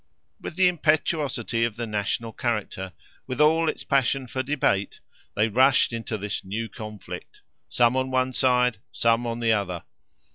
With the impetuosity of the national character—with all its passion for debate—they rushed into this new conflict, some on one side, some on the other.